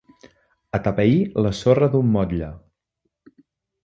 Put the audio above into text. Atapeir la sorra d'un motlle.